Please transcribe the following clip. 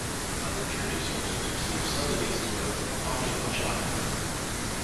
Other energy sources receive subsidies as well, often much higher.